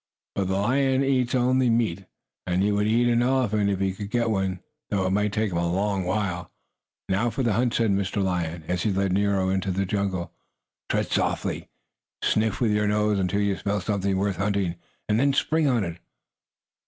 But the lion eats only meat, and he would eat an elephant if he could get one, though it might take him a long while. "Now for the hunt!" said Mr. Lion, as he led Nero into the jungle. "Tread softly. Sniff with your nose until you smell something worth hunting, and then spring on it."